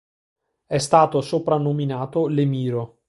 È stato soprannominato l"'Emiro".